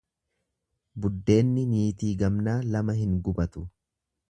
Buddeenni niitii gamnaa lama hin gubatu.